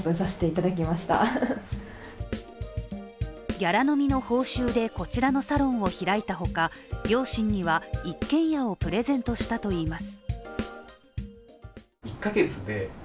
ギャラ飲みの報酬でこちらのサロンを開いたほか両親には一軒家をプレゼントしたといいます。